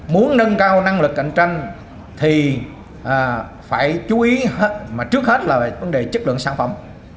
muốn nâng cao năng lực cạnh tranh thì phải chú ý mà trước hết là về vấn đề chất lượng sản phẩm